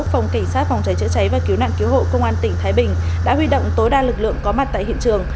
phòng cảnh sát phòng cháy chữa cháy và cứu nạn cứu hộ công an tỉnh thái bình đã huy động tối đa lực lượng có mặt tại hiện trường